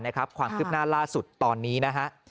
ในครับความคลิบหน้าล่าสุดตอนนี้นะฮะ